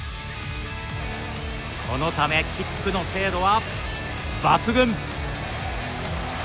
そのため、キックの精度は抜群。